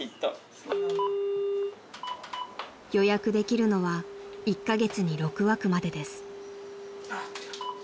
［予約できるのは１カ月に６枠までです］